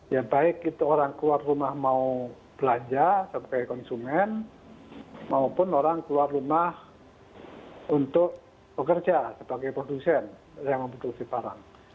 ya baik itu orang keluar rumah mau belanja sebagai konsumen maupun orang keluar rumah untuk bekerja sebagai produsen yang memproduksi barang